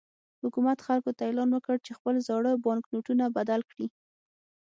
حکومت خلکو ته اعلان وکړ چې خپل زاړه بانکنوټونه بدل کړي.